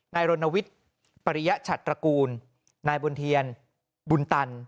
รณวิทย์ปริยชัตตระกูลนายบนเทียนบุญตัน